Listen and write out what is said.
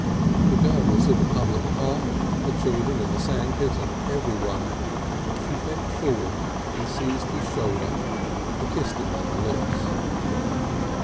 Regardless of the public park, the children in the sandpit and everyone, she bent forward and seized his shoulder and kissed him on the lips.